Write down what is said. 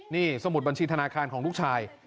นี่สมุดบัญชีธนาคารของลูกชาย